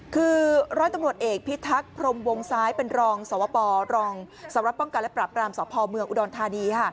คือร้อยตำรวจเอกพิทักษ์พรมวงซ้ายเป็นรองสวปรองสำหรับป้องกันและปรับรามสพเมืองอุดรธานี